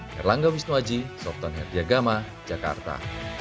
herlangga wisnuaji softan herdiagama jakarta